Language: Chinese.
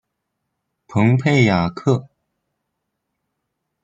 蓬佩雅克。